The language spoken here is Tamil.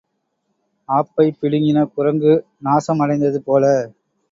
ஆப்பைப் பிடுங்கின குரங்கு நாசம் அடைந்தது போல.